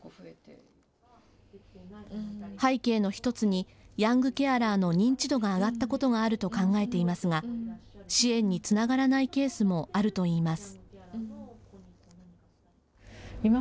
背景の１つにヤングケアラーの認知度が上がったことがあると考えていますが支援につながらないケースもあるといいます。